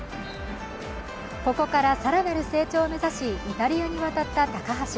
ここから更なる成長を目指しイタリアに渡った高橋。